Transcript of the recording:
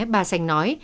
bà sành nói